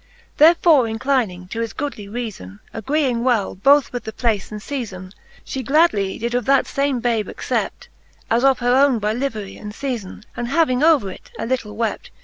Therefore inclyning to his goodly reafon, Agreeing well both with the place and fcaibn, She gladly did of that fame babe accept, As of her owne by livery and feifin. And having over it a little wept.